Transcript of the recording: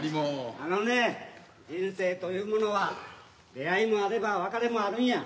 あのね人生というものは出会いもあれば別れもあるんや。